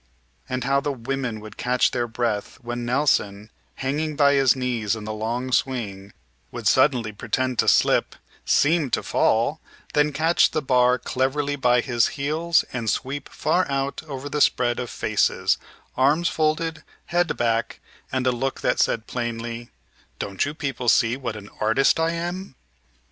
And how the women would catch their breath when Nelson, hanging by his knees in the long swing, would suddenly pretend to slip, seem to fall, then catch the bar cleverly by his heels and sweep far out over the spread of faces, arms folded, head back, and a look that said plainly: "Don't you people see what an artist I am?"